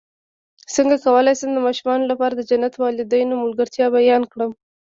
څنګه کولی شم د ماشومانو لپاره د جنت د والدینو ملګرتیا بیان کړم